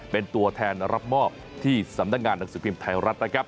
เป็นตัวแทนรับมอบที่สำนักงานหนังสือพิมพ์ไทยรัฐนะครับ